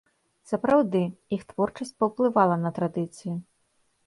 Сапраўды, іх творчасць паўплывала на традыцыю.